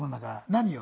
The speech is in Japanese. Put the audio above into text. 何よ？